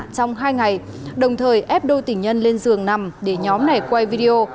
xong hai ngày đồng thời ép đôi tỉnh nhân lên giường nằm để nhóm này quay video